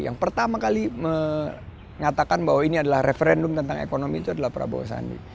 yang pertama kali mengatakan bahwa ini adalah referendum tentang ekonomi itu adalah prabowo sandi